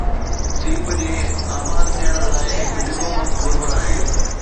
سيپ جي آباد ٿيڻ لاءِ هڪ ڊگهو وقت گهربل آهي